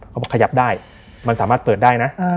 เขาบอกขยับได้มันสามารถเปิดได้นะ